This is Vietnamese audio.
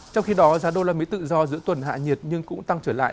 trong khi đó giá đô la mỹ tự do giữa tuần hạ nhiệt nhưng cũng tăng trở lại